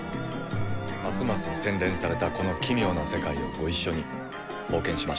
ますます洗練されたこの奇妙な世界をご一緒に冒険しましょう。